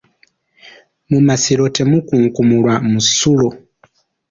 Mu masiro temukunkumulwa musulo.